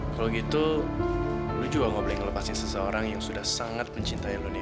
kalau gitu lu juga gak boleh ngelepaskan seseorang yang sudah sangat mencintai lu neo